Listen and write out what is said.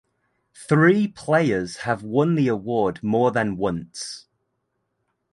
Three players have won the award more than once.